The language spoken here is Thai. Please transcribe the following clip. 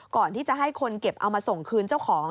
ก่อนที่จะให้คนเก็บเอามาส่งคืนเจ้าของ